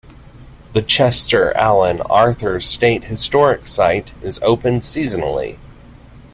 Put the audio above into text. The Chester Alan Arthur State Historic Site is open seasonally.